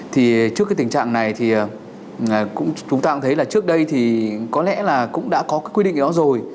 thì trước cái tình trạng này thì chúng ta cũng thấy là trước đây thì có lẽ là cũng đã có cái quy định đó rồi